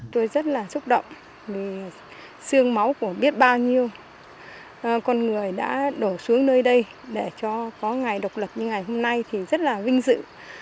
tôi rất là xúc động vì xương máu của biết bao nhiêu con người đã đổ xuống nơi đây để cho có ngày độc lập như ngày hôm nay thì rất là vinh dự